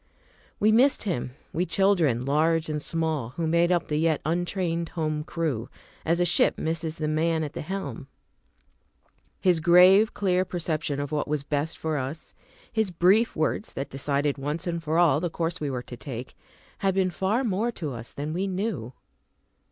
We missed him, we children large and small who made up the yet untrained home crew, as a ship misses the man at the helm. His grave, clear perception of what was best for us, his brief words that decided, once for all, the course we were to take, had been far more to us than we knew.